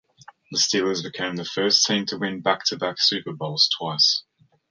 The Steelers became the first team to win back-to-back Super Bowls twice.